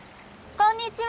こんにちは！